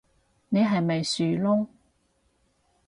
你係咪樹窿